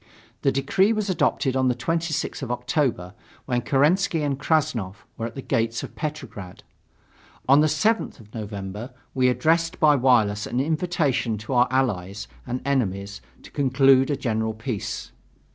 The decree was adopted on the 26th of October, when Kerensky and Krassnov were at the gates of Petrograd. On the 7th of November, we addressed by wireless an invitation to our Allies and enemies to conclude a general peace.